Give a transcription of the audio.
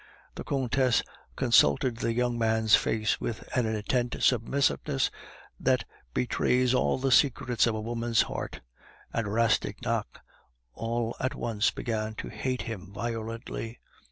The Countess consulted the young man's face with an intent submissiveness that betrays all the secrets of a woman's heart, and Rastignac all at once began to hate him violently.